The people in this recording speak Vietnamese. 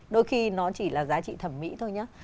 đôi khi nó chỉ là giá trị thẩm mỹ thôi nhé